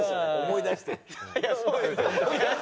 思い出してる。